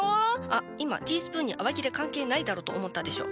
あっ今ティースプーンに洗剤いらねえだろと思ったでしょ。